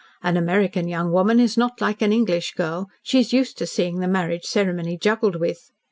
An American young woman is not like an English girl she is used to seeing the marriage ceremony juggled with.